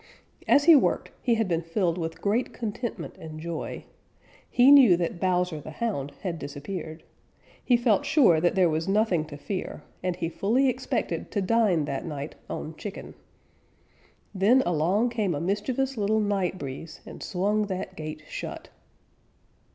As he worked he had been filled with great contentment and joy. He knew that Bowser the Hound had disappeared. He felt sure that there was nothing to fear, and he fully expected to dine that night on chicken. Then along came a mischievous little Night Breeze and swung that gate shut.